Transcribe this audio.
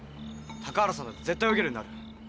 高原さんだって絶対泳げるようになる。